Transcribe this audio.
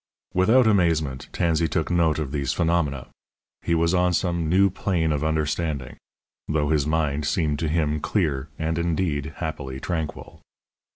Without amazement Tansey took note of these phenomena. He was on some new plane of understanding, though his mind seemed to him clear and, indeed, happily tranquil.